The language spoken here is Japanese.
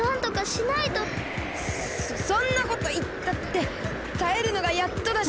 そそんなこといったってたえるのがやっとだし。